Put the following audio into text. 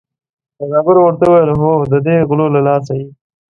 سوداګر ورته وویل هو ددې غلو له لاسه یې.